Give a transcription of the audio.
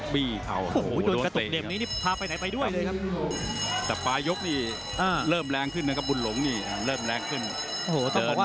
บุญหลงเสียหลักล้ม